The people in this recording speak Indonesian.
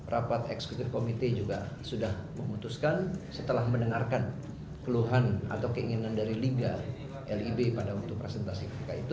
rapat eksekutif komite juga sudah memutuskan setelah mendengarkan keluhan atau keinginan dari liga lib pada waktu presentasi kib